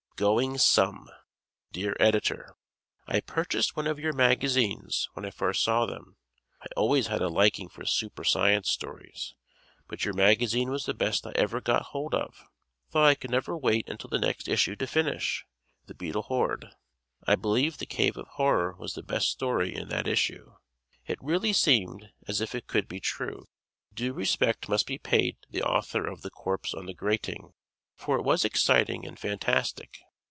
"Going Some!" Dear Editor: I purchased one of your magazines when I first saw them. I always had a liking for Super science stories, but your magazine was the best I ever got hold of. Thought I could never wait until the next issue to finish "The Beetle Horde." I believe "The Cave of Horror" was the best story in that issue. It really seemed as if it could be true. Due respect must be paid the author of "The Corpse on the Grating," for it was exciting and fantastic.